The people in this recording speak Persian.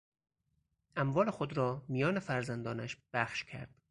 اموال خود را میان فرزندانش بخش کرد.